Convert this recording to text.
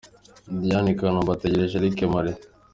Diane i Kanombe ategereje Eric Mpore.